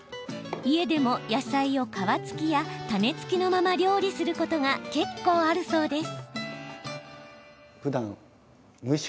家でも野菜を皮つきや種つきのまま料理することが結構あるそうです。